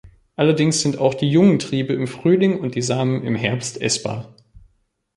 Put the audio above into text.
Allerdings sind auch die jungen Triebe im Frühling und die Samen im Herbst essbar.